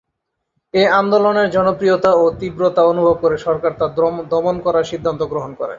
এ আন্দোলনের জনপ্রিয়তা ও তীব্রতা অনুভব করে সরকার তা দমন করার সিদ্ধান্ত গ্রহণ করে।